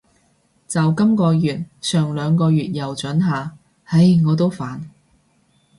就今个月，上兩個月又准下。唉，我都煩